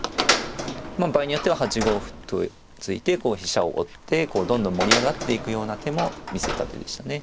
場合によっては８五歩と突いてこう飛車を追ってどんどん盛り上がっていくような手も見せた手でしたね。